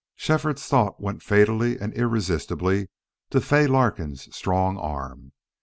Shefford's thought went fatally and irresistibly to Fay Larkin's strong arm.